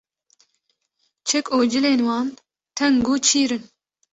Çek û cilên wan teng û çîr in